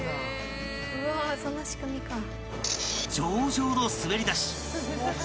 ［上々の滑り出し］